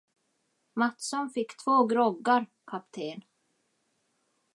Mattsson fick två groggar, kapten!